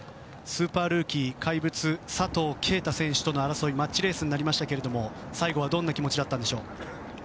スーパールーキー怪物、佐藤圭汰選手との争いマッチレースになりましたが最後はどんな気持ちでしたか。